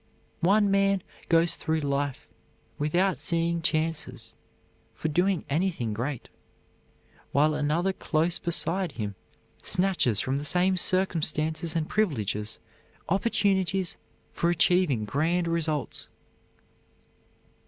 One man goes through life without seeing chances for doing anything great, while another close beside him snatches from the same circumstances and privileges opportunities for achieving grand results.